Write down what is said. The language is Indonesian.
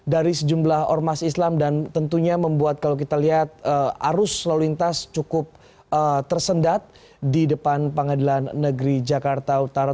dari sejumlah ormas islam dan tentunya membuat kalau kita lihat arus lalu lintas cukup tersendat di depan pengadilan negeri jakarta utara